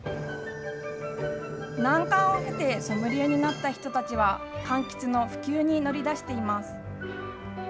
難関を経て、ソムリエになった人たちはかんきつの普及に乗り出しています。